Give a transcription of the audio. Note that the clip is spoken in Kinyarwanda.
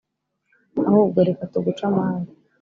ahubwo reka tuguce amande